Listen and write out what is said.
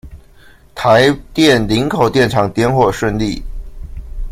台電林口電廠點火順利